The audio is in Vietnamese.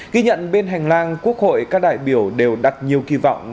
ghi nhận bên hành lang quốc hội các đại biểu đều đặt nhiều kỳ vọng